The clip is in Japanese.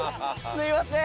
すいません！